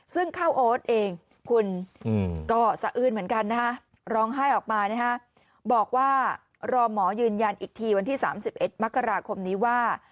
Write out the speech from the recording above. ซึ่งข้าวโอ๊ตเองคุณก็สะอื้นเหมือนกันนะฮะร้องไห้ออกมานะฮะบอกว่ารอหมอยืนยันอีกทีวันที่๓๑มกราคมนี้ว่า